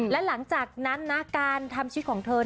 และหลังจากนั้นนะการทำชีวิตของเธอ